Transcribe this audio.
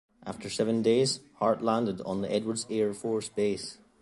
After seven days, Hart landed on the Edwards Air Force Base.